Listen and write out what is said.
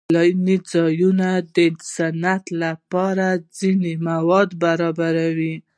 سیلاني ځایونه د صنعت لپاره ځینې مواد برابروي.